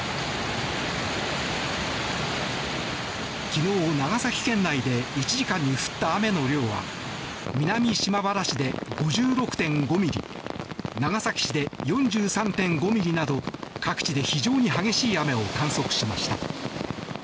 昨日、長崎県内で１時間に降った雨の量は南島原市で５６．５ミリ長崎市で４３．５ミリなど各地で非常に激しい雨を観測しました。